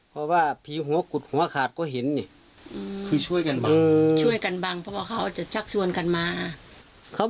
เพราะว่าพีฮโหกุดหุงฮราชก็หินคือช่วยกันบ้างเพราะว่าเขาจะชักส่วนกันมา